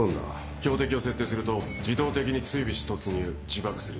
標的を設定すると自動的に追尾し突入自爆する。